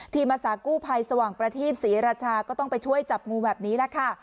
อาสากู้ภัยสว่างประทีปศรีราชาก็ต้องไปช่วยจับงูแบบนี้แหละค่ะ